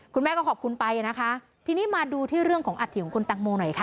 คุณแม่ก็ขอบคุณไปนะคะทีนี้มาดูที่เรื่องของอัฐิของคุณตังโมหน่อยค่ะ